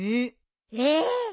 えっ！？